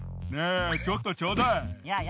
ちょっとちょうだい。